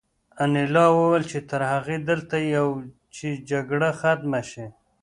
انیلا وویل چې تر هغې دلته یو چې جګړه ختمه شي